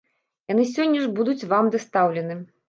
Яны сёння ж будуць вам дастаўлены.